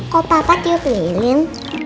kok papa tiup lilin